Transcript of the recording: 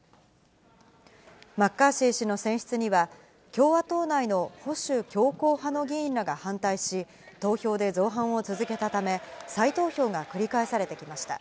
マッカーシー氏の選出には、共和党内の保守強硬派の議員らが反対し、投票で造反を続けたため、再投票が繰り返されてきました。